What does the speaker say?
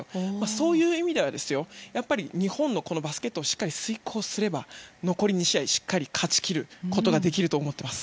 そういう意味では日本のバスケットをしっかり遂行すれば残り２試合しっかり勝ち切ることができると思っています。